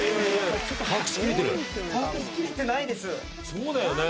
そうだよね。